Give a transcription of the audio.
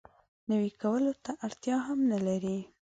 نوي کولو ته اړتیا هم نه لري.